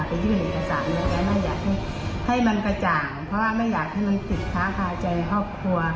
ยื่นเอกสารยังไงไม่อยากให้มันกระจ่างเพราะว่าไม่อยากให้มันติดค้างคาใจในครอบครัว